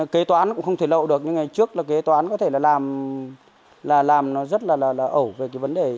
kế toán cũng không thể lậu được nhưng ngày trước là kế toán có thể là làm nó rất là ẩu về cái vấn đề